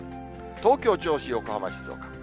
東京、銚子、横浜、静岡。